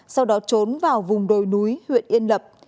sau đó trốn vào vùng đồi núi huyện yên lập